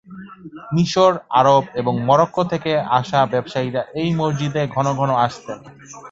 মিশর, আরব এবং মরক্কো থেকে আসা ব্যবসায়ীরা এই মসজিদে ঘন ঘন আসতেন।